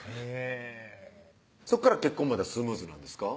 そっから結婚まではスムーズなんですか？